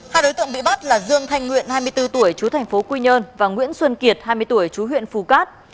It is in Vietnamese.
hai đối tượng bị bắt là dương thanh nguyện hai mươi bốn tuổi chú tp quy nhơn và nguyễn xuân kiệt hai mươi tuổi chú huyện phú cát